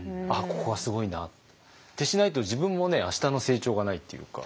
「ここはすごいな」ってしないと自分もねあしたの成長がないっていうか。